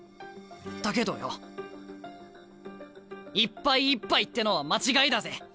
だけどよいっぱいいっぱいってのは間違いだぜ。